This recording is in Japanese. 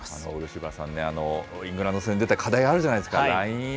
漆原さんね、イングランド戦で出た課題あるじゃないですか。